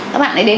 các bạn ấy đến